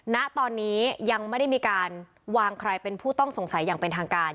ณตอนนี้ยังไม่ได้มีการวางใครเป็นผู้ต้องสงสัยอย่างเป็นทางการ